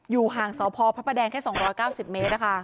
อยู่ห่างเสาพอพระประแดงแค่๒๙๐เมตรนะคะ